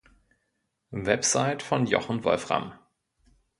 Website von Jochen Wolfram